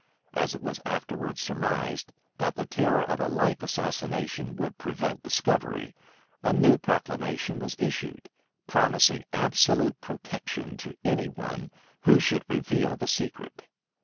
As it was afterwards surmised, that the terror of a like assassination would prevent discovery, a new proclamation was issued, promising absolute protection to any one who should reveal the secret.